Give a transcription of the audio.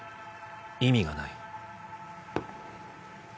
意味がない。